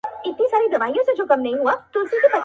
ته به نسې سړی زما د سترګو توره,